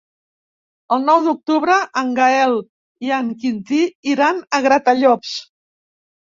El nou d'octubre en Gaël i en Quintí iran a Gratallops.